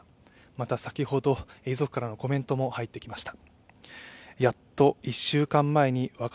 また先ほど遺族からのコメントも入ってきました。